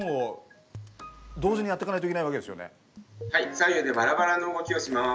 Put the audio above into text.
左右でバラバラの動きをします。